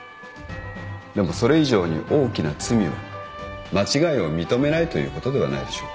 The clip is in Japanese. でもそれ以上に大きな罪は間違いを認めないということではないでしょうか。